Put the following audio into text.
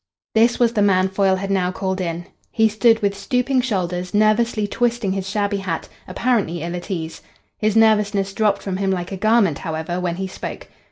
This was the man Foyle had now called in. He stood, with stooping shoulders, nervously twisting his shabby hat, apparently ill at ease. His nervousness dropped from him like a garment, however, when he spoke.